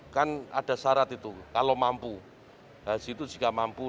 kan ada syarat itu kalau mampu